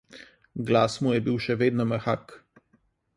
Glas mu je bil še vedno mehak.